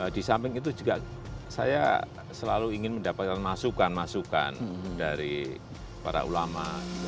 di samping itu juga saya selalu ingin mendapatkan masukan masukan dari para ulama